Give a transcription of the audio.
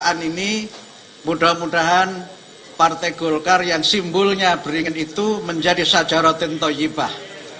pekan ini mudah mudahan partai golkar yang simbolnya beringin itu menjadi sajarotin toyibah